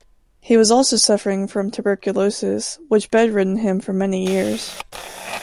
He was also suffering from tuberculosis, which bed-ridden him for many years.